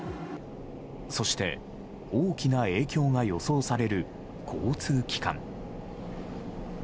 そして、大きな影響が予想される交通機関。